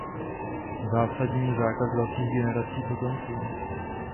Zásadní je zákaz dalších generací potomků.